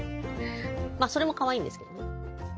それもかわいいんですけどね。